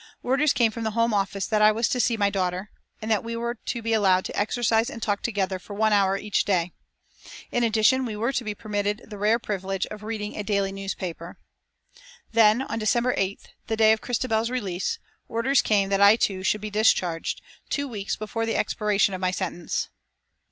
Orders came from the Home Office that I was to see my daughter, and that we were to be allowed to exercise and to talk together for one hour each day. In addition, we were to be permitted the rare privilege of reading a daily newspaper. Then, on December 8th, the day of Christabel's release, orders came that I, too, should be discharged, two weeks before the expiration of my sentence.